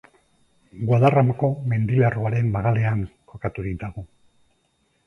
Guadarramako mendilerroaren magalean kokaturik dago.